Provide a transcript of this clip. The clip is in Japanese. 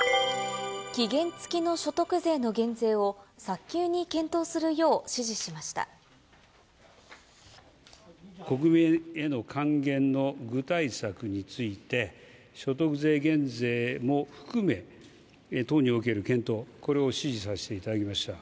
期限付きの所得税の減税を早国民への還元の具体策について、所得税減税も含め、党における検討、これを指示させていただきました。